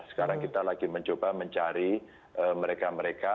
sekarang kita lagi mencoba mencari mereka mereka